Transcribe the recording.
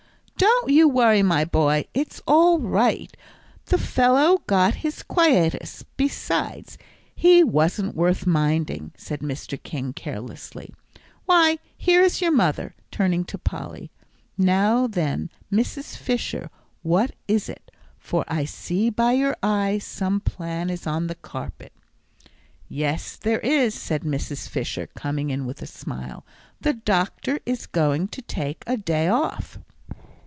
"Don't you worry, my boy; it's all right, the fellow got his quietus; besides, he wasn't worth minding," said Mr. King, carelessly. "Why, here is your mother," turning to Polly. "Now then, Mrs. Fisher, what is it; for I see by your eye some plan is on the carpet." "Yes, there is," said Mrs. Fisher, coming in with a smile, "the doctor is going to take a day off."